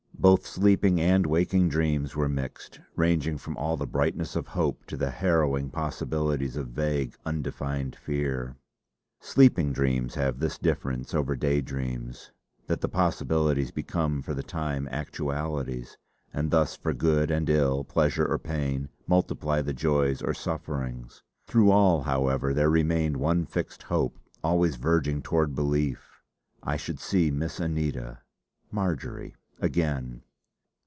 Both sleeping and waking dreams were mixed, ranging from all the brightness of hope to the harrowing possibilities of vague, undefined fear. Sleeping dreams have this difference over day dreams, that the possibilities become for the time actualities, and thus for good and ill, pleasure or pain, multiply the joys or sufferings. Through all, however, there remained one fixed hope always verging toward belief, I should see Miss Anita Marjory again.